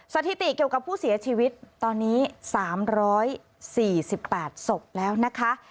สถิติเกี่ยวกับผู้เสียชีวิตตอนนี้๓๔๘ศพแล้วนะคะ